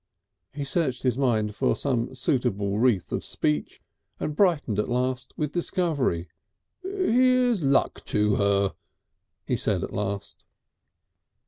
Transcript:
He searched his mind for some suitable wreath of speech, and brightened at last with discovery. "Here's Luck to her!" he said at last.